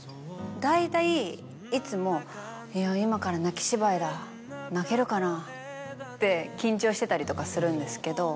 大体いつも「いや今から泣き芝居だ泣けるかな」って緊張してたりとかするんですけど。